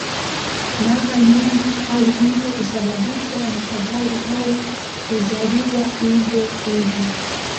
Mara nyingi hali hiyo husababishwa na ajali au kuzaliwa hivyo hivyo.